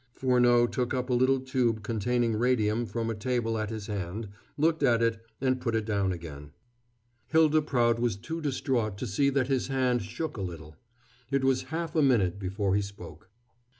Furneaux took up a little tube containing radium from a table at his hand, looked at it, and put it down again. Hylda Prout was too distraught to see that his hand shook a little. It was half a minute before he spoke.